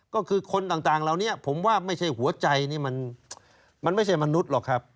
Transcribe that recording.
ก็คือคนต่างเหล่านี้ผมว่าไม่ใช่หัวใจนี่มันไม่ใช่มนุษย์หรอกครับ